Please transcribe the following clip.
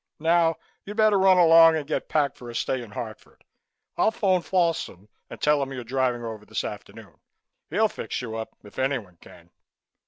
Now, you'd better run along and get packed for a stay in Hartford. I'll phone Folsom and tell him you're driving over this afternoon. He'll fix you up if anyone can."